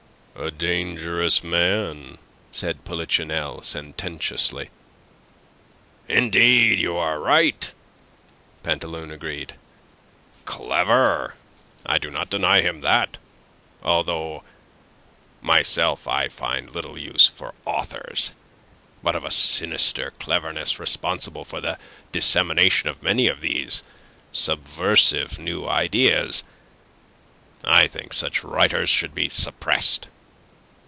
"A dangerous man," said Polichinelle, sententiously. "Indeed, and you are right," Pantaloon agreed. "Clever I do not deny him that, although myself I find little use for authors. But of a sinister cleverness responsible for the dissemination of many of these subversive new ideas. I think such writers should be suppressed."